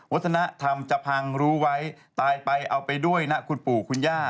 วัฒนธรรมจะพังรู้ไว้ตายไปเอาไปด้วยนะคุณปู่คุณย่า